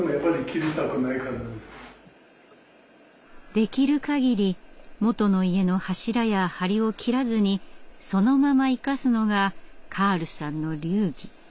できるかぎり元の家の柱や梁を切らずにそのまま生かすのがカールさんの流儀。